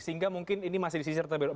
sehingga mungkin ini masih di sisi tertentu